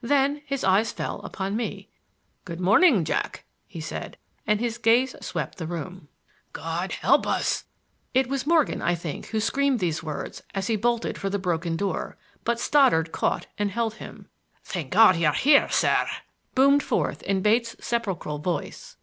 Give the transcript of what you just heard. Then his eyes fell upon me. "Good morning, Jack," he said; and his gaze swept the room. "God help us!" It was Morgan, I think, who screamed these words as he bolted for the broken door, but Stoddard caught and held him. "Thank God, you're here, sir!" boomed forth in Bates' sepulchral voice.